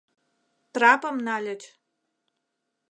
Трапым нальыч.